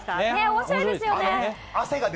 面白いですよね。